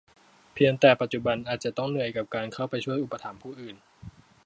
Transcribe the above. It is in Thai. เพียงแต่ปัจจุบันอาจจะต้องเหนื่อยกับการเข้าไปช่วยอุปถัมภ์ผู้อื่น